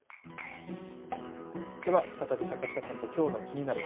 では再び坂下さんときょうのキニナル！